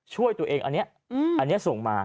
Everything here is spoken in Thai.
ช่วยตัวเองอันนี้ส่งมา